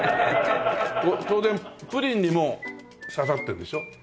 当然プリンにも挿さってるでしょ？